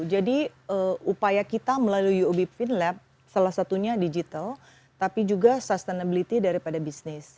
jadi upaya kita melalui yub finlab salah satunya digital tapi juga sustainability daripada bisnis